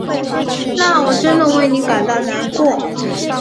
那我真为你感到难过。